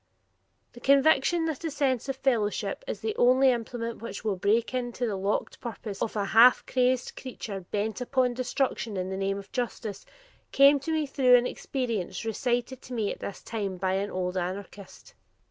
The conviction that a sense of fellowship is the only implement which will break into the locked purpose of a half crazed creature bent upon destruction in the name of justice, came to me through an experience recited to me at this time by an old anarchist.